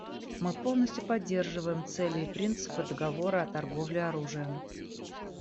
Мы полностью поддерживаем цели и принципы договора о торговле оружием.